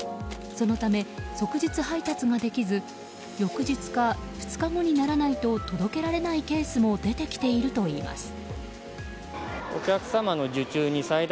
そのため、即日配達ができず翌日か２日後にならないと届けられないケースも出てきているといいます。